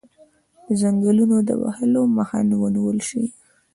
د ځنګلونو د وهلو مخه څنګه ونیول شي؟